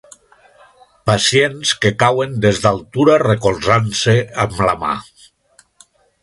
Pacients que cauen des d'altura recolzant-se amb la mà.